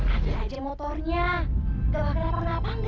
ada aja motornya gak bakal kenapa kenapa enggak